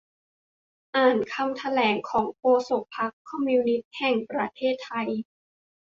อ่านคำแถลงของโฆษกพรรคคอมมิวนิสต์แห่งประเทศไทย